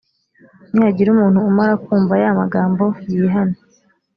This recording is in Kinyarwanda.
nihagira umuntu umara kumva ya magambo, yihane,